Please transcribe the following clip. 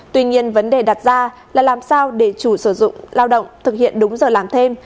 tuy nhiên vấn đề đặt ra là làm sao để chủ sử dụng lao động thực hiện đúng giờ làm thêm